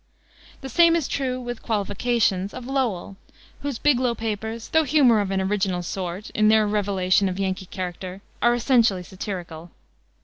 The same is true, with qualifications, of Lowell, whose Biglow Papers, though humor of an original sort in their revelation of Yankee character, are essentially satirical.